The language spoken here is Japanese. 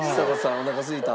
おなかすいた？